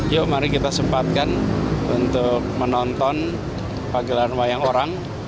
yuk mari kita sempatkan untuk menonton pagelaran wayang orang